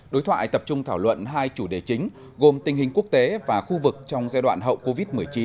đối thoại tập trung thảo luận hai chủ đề chính gồm tình hình quốc tế và khu vực trong giai đoạn hậu covid một mươi chín